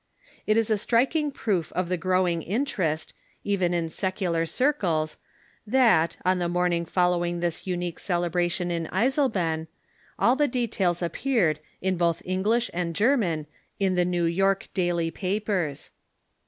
It is a striking proof of the grow ing interest, even in secular circles, that, on the morning fol lowing this unique celebration in Eisleben, all the details ap peared, in both English and German, in the New York daily papers.